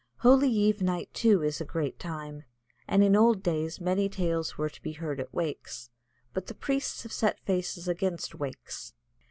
Holy eve night, too, is a great time, and in old days many tales were to be heard at wakes. But the priests have set faces against wakes.